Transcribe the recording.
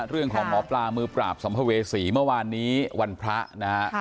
เรื่องของหมอบลามือปราบทพศรีเมื่อวานนี้วันพระนะฮะ